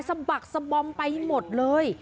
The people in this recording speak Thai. บักสะบอมไปหมดเลย